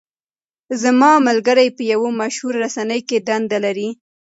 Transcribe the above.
زما ملګری په یوه مشهوره رسنۍ کې دنده لري.